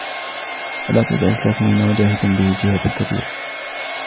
فَلَا تُطِعِ الْكَافِرِينَ وَجَاهِدْهُمْ بِهِ جِهَادًا كَبِيرًا